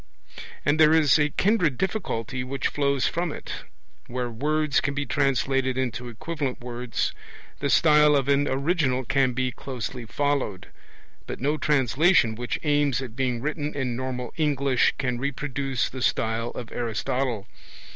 And there is a kindred difficulty which flows from it. Where words can be translated into equivalent words, the style of an original can be closely followed; but no translation which aims at being written in normal English can reproduce the style of Aristotle.